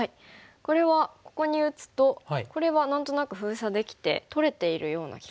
これはここに打つとこれは何となく封鎖できて取れているような気がしますね。